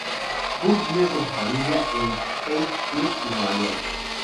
Cook vive con su familia en Cape Cod y Nueva York.